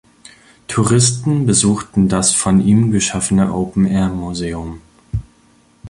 Touristen besuchten das von ihm geschaffene Open-Air-Museum.